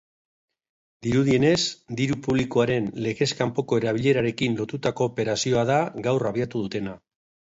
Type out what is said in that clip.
Dirudienez, diru-publikoaren legez kanpoko erabilerarekin lotutako operazioa da gaur abiatu dutena.